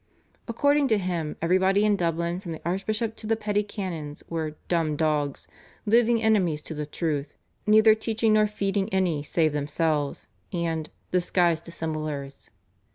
According to him everybody in Dublin from the archbishop to the petty canons were "dumb dogs," "living enemies to the truth," "neither teaching nor feeding any save themselves," and "disguised dissemblers."